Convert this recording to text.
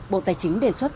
bộ tài chính đề xuất